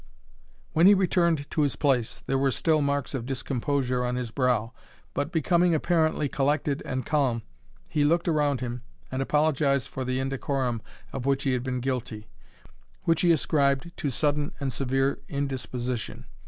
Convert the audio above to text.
When he returned to his place, there were still marks of discomposure on his brow; but, becoming apparently collected and calm, he looked around him, and apologized for the indecorum of which he had been guilty, which he ascribed to sudden and severe indisposition.